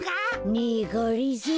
ねえがりぞー。